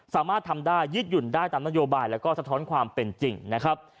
สามารถทำได้ยืดหยุ่นได้ตามนโยบายแล้วก็สะท้อนความเป็นจริงนะครับ